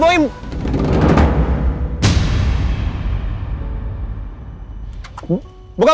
tunggu tunggu hati hati